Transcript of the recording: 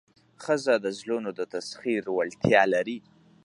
ښځه د زړونو د تسخیر وړتیا لري.